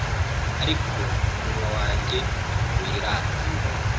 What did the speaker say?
ariko umunwa wanjye wirata